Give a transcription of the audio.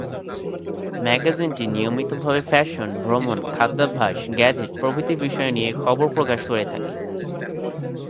ম্যাগাজিনটি নিয়মিতভাবে ফ্যাশন, ভ্রমণ, খাদ্যাভ্যাস, গ্যাজেট প্রভৃতি বিষয় নিয়ে খবর প্রকাশ করে থাকে।